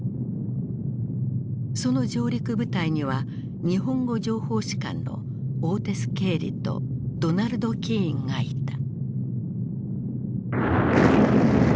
その上陸部隊には日本語情報士官のオーテス・ケーリとドナルド・キーンがいた。